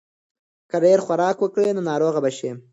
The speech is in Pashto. که ډېر خوراک وکړې نو ناروغه به شې.